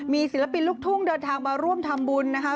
มีศิลปินลูกทุ่งเดินทางมาร่วมทำบุญนะคะ